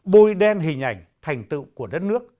bôi đen hình ảnh thành tựu của đất nước